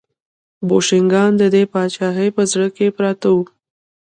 بوشنګان د دې پاچاهۍ په زړه کې پراته وو.